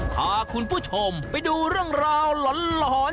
พาคุณผู้ชมไปดูเรื่องราวหลอน